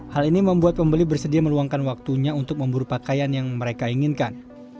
hal ini membuat pembeli bersedia meluangkan waktunya untuk memburu pakaian yang mereka inginkan